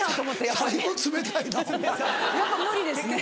やっぱ無理ですね